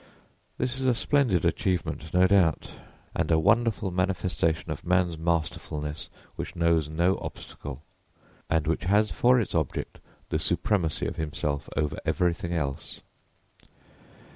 This is a splendid achievement, no doubt, and a wonderful manifestation of man's masterfulness which knows no obstacle, and which has for its object the supremacy of himself over everything else.